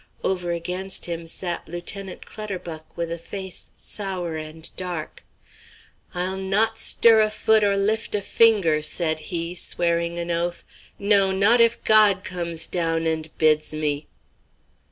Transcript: Over against him sat Lieutenant Clutterbuck, with a face sour and dark. "I'll not stir a foot or lift a finger," said he, swearing an oath, "no, not if God comes down and bids me."